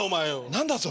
何だそれ。